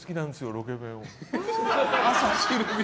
ロケ弁を。